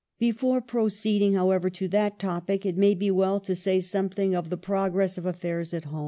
Before proceeding, however, to that topic it may be well to say something of the pro gress of affairs at home.